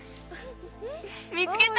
見つけた！